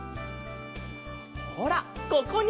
ほらここに！